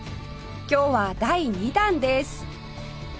今日は第２弾です！